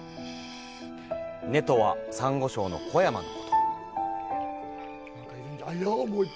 「根」とはサンゴ礁の小山のこと。